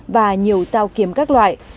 đầu trao kiếm các loại